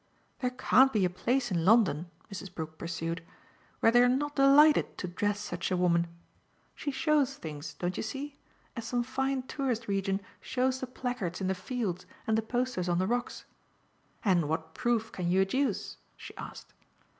"There can't be a place in London," Mrs. Brook pursued, "where they're not delighted to dress such a woman. She shows things, don't you see? as some fine tourist region shows the placards in the fields and the posters on the rocks. And what proof can you adduce?" she asked.